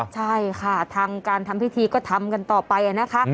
ใช่ค่ะทางการทำพิธีก็ทำกันต่อไปนะคะ